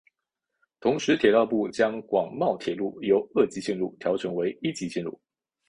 同时铁道部将广茂铁路由二级线路调整为一级线路。